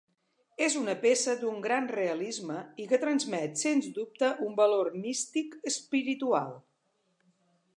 És una peça d'un gran realisme i que transmet sens dubte un valor místic, espiritual.